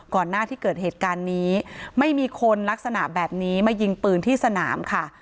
หน้าที่เกิดเหตุการณ์นี้ไม่มีคนลักษณะแบบนี้มายิงปืนที่สนามค่ะ